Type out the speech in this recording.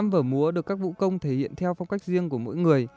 năm vở múa được các vũ công thể hiện theo phong cách riêng của mỗi người